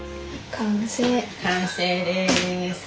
完成です。